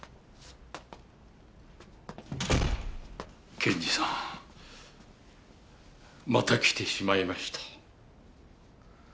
検事さんまた来てしまいました。